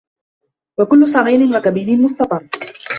وَكُلُّ صَغيرٍ وَكَبيرٍ مُستَطَرٌ